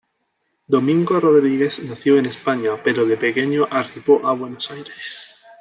Domingo Rodríguez nació en España pero de pequeño arribó a Buenos Aires.